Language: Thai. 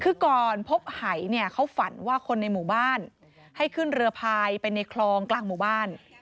คือก่อนพบหายเนี่ยเขาฝันว่าคนในหมู่บ้านให้ขึ้นเรือพายไปในคลองกลางหมู่บ้าน